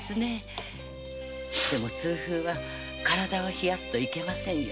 でも痛風は体を冷やしてはいけませんよ。